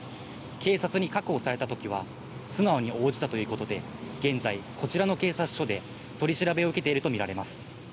警察に確保された時は素直に応じたということで、現在、こちらの警察署で取り調べを受けているとみられます。